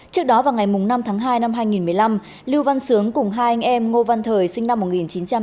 trước đó vào ngày năm tháng hai năm hai nghìn một mươi năm lưu văn sướng cùng hai anh em ngô văn thời sinh năm một nghìn chín trăm tám mươi